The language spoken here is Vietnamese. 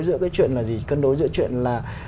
giữa cái chuyện là gì cân đối giữa chuyện là